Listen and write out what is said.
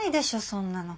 そんなの。